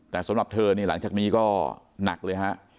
แต่สำหรับเธอนี่หลังจากนี้ก็หนักเลยฮะ